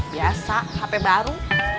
biasa hp baru